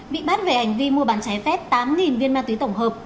bị bắt về hành vi mua bàn cháy phép tám viên ma túy tổng hợp